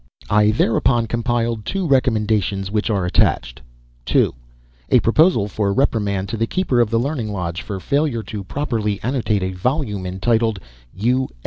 I thereupon compiled two recommendations which are attached: 2, a proposal for reprimand to the Keeper of the Learning Lodge for failure to properly annotate a volume entitled _U.